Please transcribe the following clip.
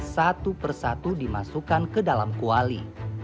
satu persatu dimasukkan ke dalam kuali